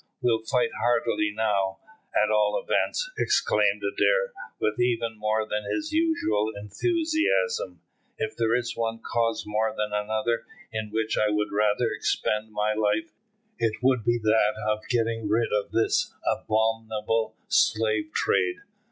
"We'll fight heartily now, at all events," exclaimed Adair, with even more than his usual enthusiasm. "If there is one cause more than another in which I would rather expend my life, it would be that of getting rid of this abominable slave trade.